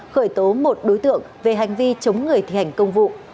khởi tố một đối tượng về hành vi chống người thi hành công vụ